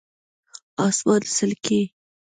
🦇 اسمان څلکي